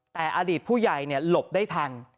แต่อดีตผู้ใหญ่หลบได้ทัน